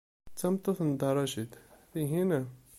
D tameṭṭut n Dda Racid, tihin?